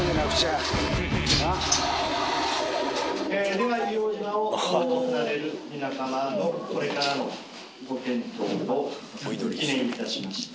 では硫黄島を離れる皆さまのこれからのご健闘を祈念いたしまして。